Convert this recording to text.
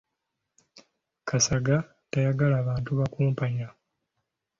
Kasagga tayagala bantu bakumpanya.